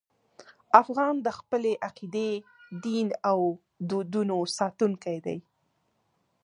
افغان د خپلې عقیدې، دین او دودونو ساتونکی دی.